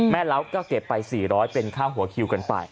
เล้าก็เก็บไป๔๐๐เป็นค่าหัวคิวกันไป